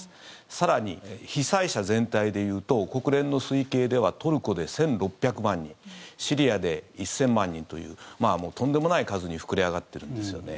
更に、被災者全体でいうと国連の推計ではトルコで１６００万人シリアで１０００万人というもうとんでもない数に膨れ上がってるんですよね。